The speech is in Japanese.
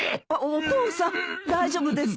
お父さん大丈夫ですか？